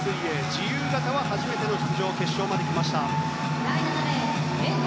自由形は初めての出場で決勝まで来ました。